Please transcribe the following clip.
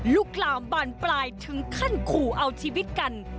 ลุกลามบานปลายถึงขั้นขู่เอาชีวิตกัน